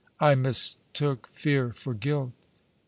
I mistook fear for guilt.